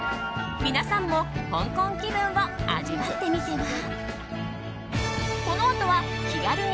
皆さんも香港気分を味わってみては？